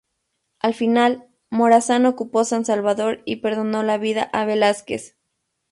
Al final, Morazán ocupó San Salvador y perdonó la vida a Velásquez.